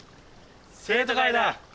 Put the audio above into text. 生徒会だ。